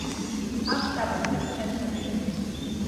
აქვს დაბალი და ბრტყელი ნაპირები.